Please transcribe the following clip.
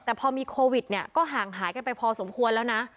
แต่พอมีโควิดเนี่ยก็ห่างหายกันไปพอสมควรแล้วนะ